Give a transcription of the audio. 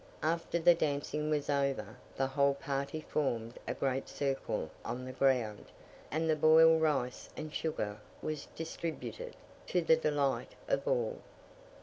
After the dancing was over, the whole party formed a great circle on the ground, and the boiled rice and sugar was distributed, to the delight of all.